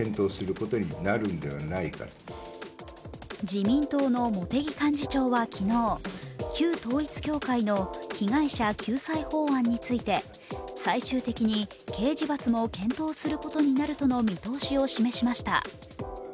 自民党の茂木幹事長は昨日、旧統一教会の被害者救済法案について最終的に刑事罰も検討することになるとの見通しを示しました。